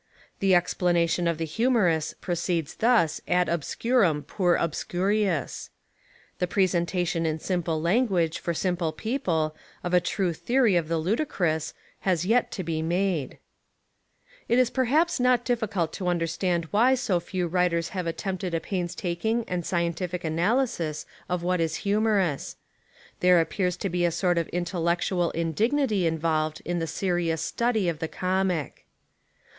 The explanation of the humorous proceeds thus ad ohscurum per ohscurius. The presentation In simple language for simple people of a true theory of the ludicrous has yet to be made. lOI Essays and Literary Studies It Is perhaps not difficult to understand why so few writers have attempted a painstaking and scientific analysis of what is humorous. There appears to be a sort of intellectual in dignity involved in the serious study of the comic.